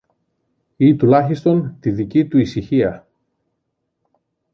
ή τουλάχιστον τη δική του ησυχία.